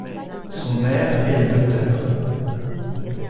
Son maire est le Dr.